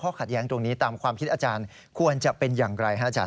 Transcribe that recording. ขัดแย้งตรงนี้ตามความคิดอาจารย์ควรจะเป็นอย่างไรฮะอาจารย